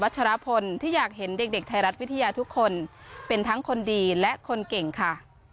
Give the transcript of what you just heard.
ชรพลที่อยากเห็นเด็กไทยรัฐวิทยาทุกคนเป็นทั้งคนดีและคนเก่งค่ะ